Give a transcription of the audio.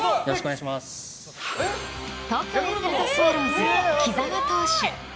東京ヤクルトスワローズ木澤投手。